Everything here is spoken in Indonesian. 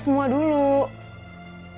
sampai ketemu di rumah